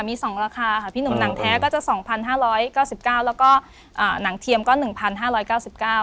มีสองราคาค่ะพี่หนุ่มหนังแท้ก็จะสองพันห้าร้อยเก้าสิบเก้าแล้วก็อ่าหนังเทียมก็หนึ่งพันห้าร้อยเก้าสิบเก้า